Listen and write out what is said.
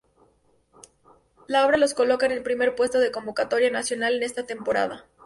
La obra los coloca en el primer puesto de convocatoria nacional en esta temporada.